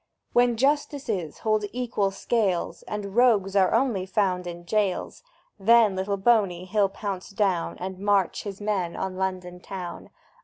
When Justices hold equal scales, And Rogues are only found in jails; Then Little Boney he'll pounce down, And march his men on London town!